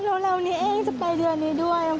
ลองแล้วนี้เองจะไปเดือนนี้ด้วยอื่ม